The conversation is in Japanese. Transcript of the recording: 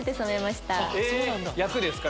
役ですか？